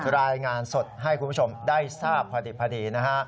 รายงานสดให้คุณผู้ชมได้ทราบพอดีนะฮะ